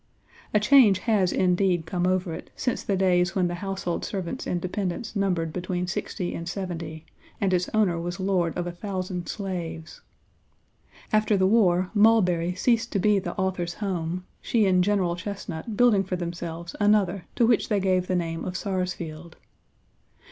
A change has indeed come over it, since the days when the household servants and dependents numbered between sixty and seventy, and its owner was lord of a thousand slaves. After the war, Mulberry ceased to be the author's home, she and General Chesnut building for themselves another to which they gave the name of Sarsfield.